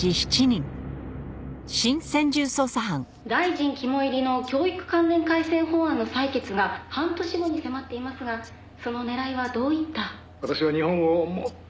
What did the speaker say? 「大臣肝煎りの教育関連改正法案の採決が半年後に迫っていますがその狙いはどういった？」